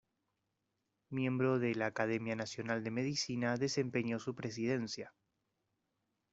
Miembro de la Academia Nacional de Medicina, desempeñó su Presidencia.